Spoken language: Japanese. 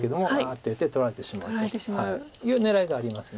あっていって取られてしまうという狙いがあります。